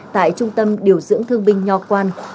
tại trung tâm điều dưỡng thương binh nho quan